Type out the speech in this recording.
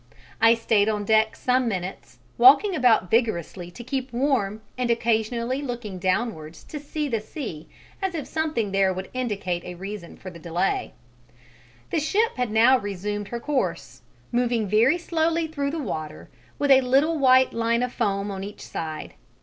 I stayed on deck some minutes, walking about vigorously to keep warm and occasionally looking downwards to the sea as if something there would indicate the reason for delay. The ship had now resumed her course, moving very slowly through the water with a little white line of foam on each side.